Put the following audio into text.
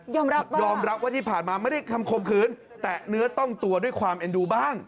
ยอมรับว่าที่ผ่านมาไม่ได้คำคมคืนแตะเนื้อต้องตัวด้วยความเอ็นดูบ้าง